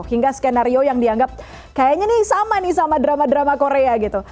hingga skenario yang dianggap kayaknya nih sama nih sama drama drama korea gitu